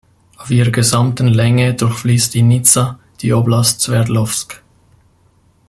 Auf ihrer gesamten Länge durchfließt die Niza die Oblast Swerdlowsk.